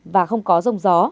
và không có rông gió